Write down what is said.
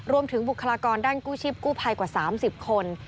รวมถึงบุคลากรด้านกู้ชิบกู้ภัยกว่า๓๐คน